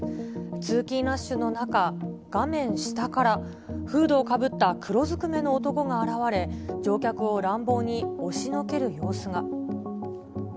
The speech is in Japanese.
通勤ラッシュの中、画面下から、フードをかぶった黒ずくめの男が現れ、乗客を乱暴に押しのける様子が。